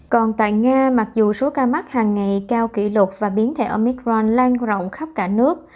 còn tại nga mặc dù số ca mắc hàng ngày cao kỷ lục và biến thể ở micron lan rộng khắp cả nước